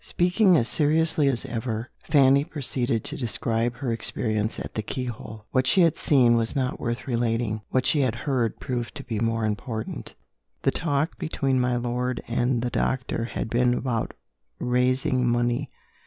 Speaking as seriously as ever, Fanny proceeded to describe her experience at the keyhole. What she had seen was not worth relating. What she had heard proved to be more important. The talk between my lord and the doctor had been about raising money.